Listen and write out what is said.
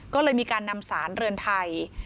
ก็เลยมีการนำสารเรือนไทย